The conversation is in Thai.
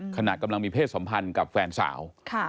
ขณะกำลังมีเพศสัมพันธ์กับแฟนสาว